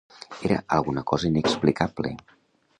Era alguna cosa inexplicable…